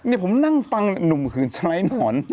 นี่ผมนั่งฟังหนุ่มขืนสไลด์หนอน